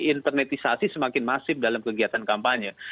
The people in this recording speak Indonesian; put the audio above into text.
internetisasi semakin masif dalam kegiatan kampanye